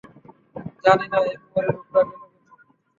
জানি না এই প্রহরী লোকটা গেল কোথায়!